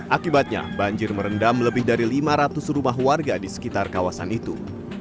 akibatnya banjir merendam lebih dari lima ratus rumah warga di sekitar kawasan itu